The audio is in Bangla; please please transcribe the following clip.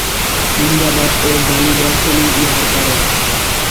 নিন্দাবাদ ও গালিবর্ষণই ইহার কারণ।